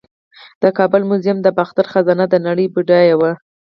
د کابل میوزیم د باختر خزانه د نړۍ بډایه وه